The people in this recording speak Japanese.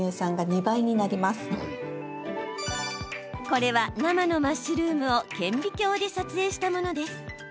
これは、生のマッシュルームを顕微鏡で撮影したものです。